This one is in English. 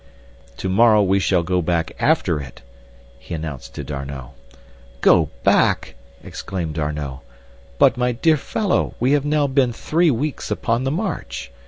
"To morrow we shall go back after it," he announced to D'Arnot. "Go back?" exclaimed D'Arnot. "But, my dear fellow, we have now been three weeks upon the march.